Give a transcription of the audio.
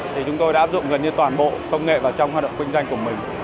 thì chúng tôi đã áp dụng gần như toàn bộ công nghệ vào trong hoạt động kinh doanh của mình